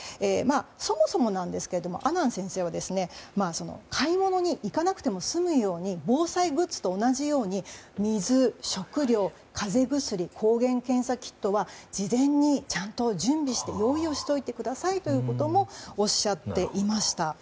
そもそも、阿南先生は買い物に行かなくても済むように防災グッズと同じように水、食料、風邪薬抗原検査キットは事前にちゃんと準備して用意をしておいてくださいということもおっしゃっていました。